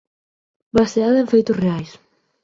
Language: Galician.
Baseada en feitos reais.